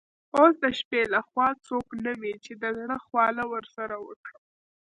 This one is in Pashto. اوس د شپې له خوا څوک نه وي چي د زړه خواله ورسره وکړم.